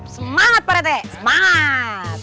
semangat pak rete semangat